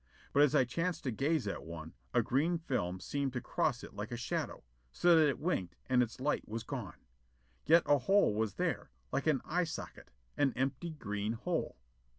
But as I chanced to gaze at one a green film seemed to cross it like a shade, so that it winked and its light was gone. Yet a hole was there, like an eye socket. An empty green hole.